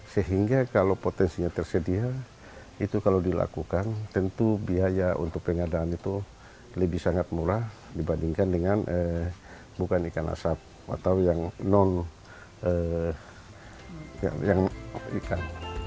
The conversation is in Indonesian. sehingga kalau potensinya tersedia itu kalau dilakukan tentu biaya untuk pengadaan itu lebih sangat murah dibandingkan dengan bukan ikan asap atau yang non ikan